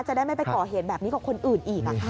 จะได้ไม่ไปก่อเหตุแบบนี้กับคนอื่นอีก